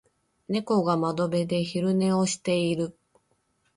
猫が窓辺で昼寝をしている。